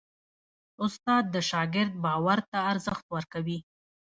استاد د شاګرد باور ته ارزښت ورکوي.